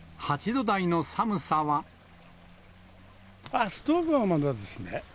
ただ、ストーブはまだですね。